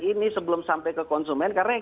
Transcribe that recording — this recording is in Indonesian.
ini sebelum sampai ke konsumen karena